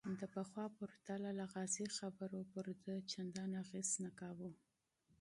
د پخوا په نسبت لغازي خبرو پر ده چندان اغېز نه کاوه.